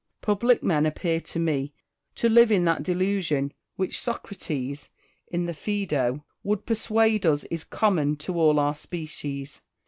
Public men appear to me to live in that delusion which Socrates, in the Phcedo, would persuade us is common to all our species.